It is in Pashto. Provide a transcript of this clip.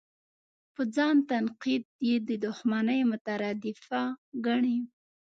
په ځان تنقید یې د دوښمنۍ مترادفه ګڼي.